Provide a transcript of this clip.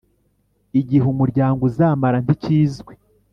Igihe umuryango uzamara ntikizwi